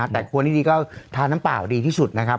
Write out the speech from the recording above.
แต่ควรที่ดีก็ทานน้ำเปล่าดีที่สุดนะครับ